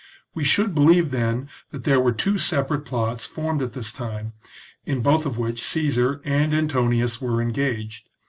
We should believe, then, that there were two separate plots formed at this time, in both of which Caesar and Antonius were engaged.